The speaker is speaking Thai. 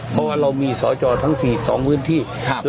เพราะว่าเราจะมี๒และ๔มื้อนี่